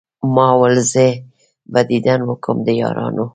ما ول زه به ديدن وکم د يارانو